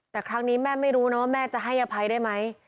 แต่ครั้งนี้แม่ไม่รู้นะว่าแม่จะให้อภัยได้ไหม